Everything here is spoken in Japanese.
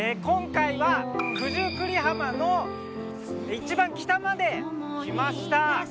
今回は九十九里浜の一番北まで来ました。